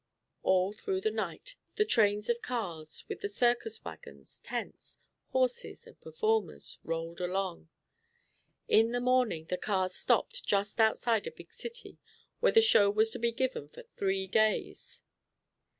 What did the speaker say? All through the night the trains of cars, with the circus wagons, tents, horses and performers, rolled along. In the morning the cars stopped just outside a big city, where the show was to be given for three days.